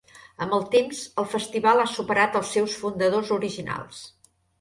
Amb el temps, el festival ha superat als seus fundadors originals.